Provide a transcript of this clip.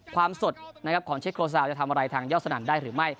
ความสดของเชคโครซาลจะทำอะไรทางยอดสนันได้หรือไม่